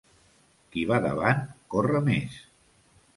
Qui va davant, corre més.